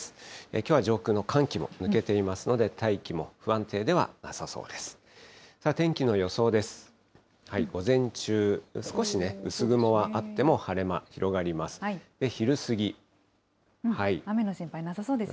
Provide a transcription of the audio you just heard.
きょうは上空の寒気も抜けていますので、大気も不安定ではなさそうです。